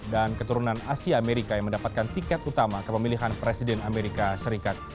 dan keturunan asia amerika yang mendapatkan tiket utama ke pemilihan presiden amerika serikat